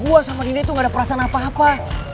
gue sama dinda itu gak ada perasaan apa apa